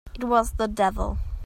It was the devil!